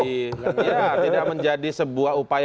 iya tidak menjadi sebuah upaya